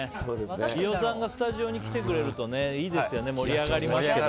飯尾さんがスタジオに来てくれるといいですよね盛り上がりますから。